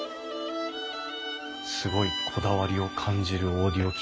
すごいこだわりを感じるオーディオ機器ですね。